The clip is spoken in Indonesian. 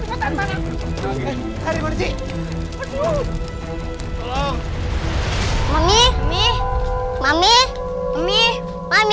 maafan sih percaya ada kabur aja deh maafan sih percaya kebakaran